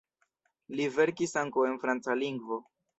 Li verkis ankaŭ en franca lingvo.